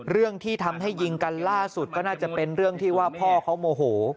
เรื่องที่ทำให้ยิงกันล่าสุดก็น่าจะเป็นเรื่องที่ว่าพ่อเขาโมโห